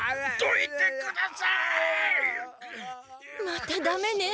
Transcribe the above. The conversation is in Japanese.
またダメね。